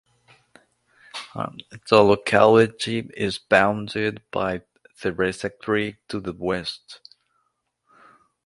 The locality is bounded by Theresa Creek to the west.